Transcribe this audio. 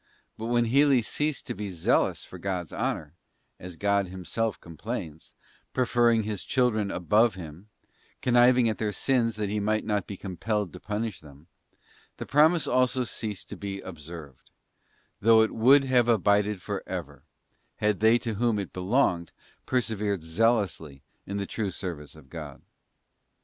But when Heli ceased to be zealous for God's honour—as God Himself complains—preferring his children above Him, conniving at their sins that he might not be compelled to punish them—the promise also ceased to be observed; though it would have abided for ever, had they to whom it belonged persevered zealously in the true service of God.